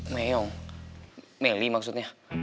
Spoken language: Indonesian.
meong meli maksudnya